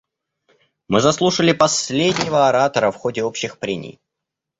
Мы заслушали последнего оратора в ходе общих прений.